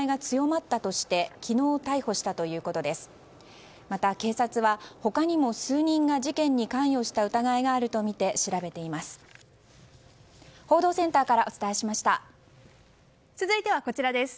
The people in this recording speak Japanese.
また、警察は他にも数人が事件に関与した疑いがあるとみて調べています。